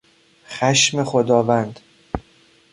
خشم خداوند